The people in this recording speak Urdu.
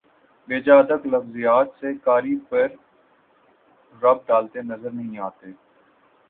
بے جا ادق لفظیات سے قاری پر رعب ڈالتے نظر نہیں آتے